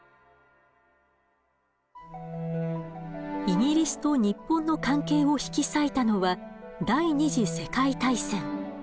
イギリスと日本の関係を引き裂いたのは第２次世界大戦。